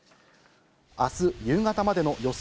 あす夕方までの予想